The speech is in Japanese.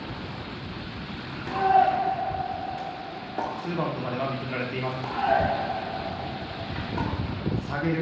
ツーバウンドまでは認められています。